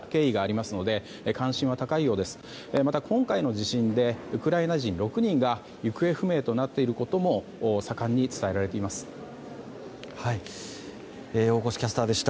また、今回の地震でウクライナ人、６人が行方不明になっていることも大越キャスターでした。